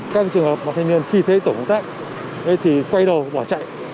các trường hợp khi thấy tổ công tác quay đầu bỏ chạy